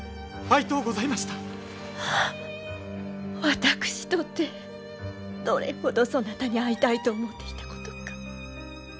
私とてどれほどそなたに会いたいと思うていたことか。